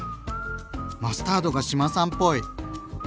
マスタードが志麻さんっぽい。